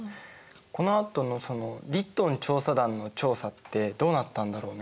このあとのそのリットン調査団の調査ってどうなったんだろうね？